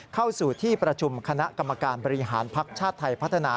เข้าสู่ที่ประชุมคณะกรรมการบริหารภักดิ์ชาติไทยพัฒนา